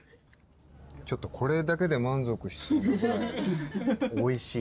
ちょっとこれだけで満足しそうなぐらいおいしい。